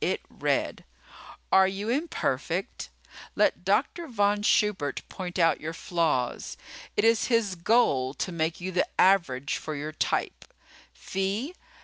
It read: ARE YOU IMPERFECT? LET DR. VON SCHUBERT POINT OUT YOUR FLAWS IT IS HIS GOAL TO MAKE YOU THE AVERAGE FOR YOUR TYPE FEE $3.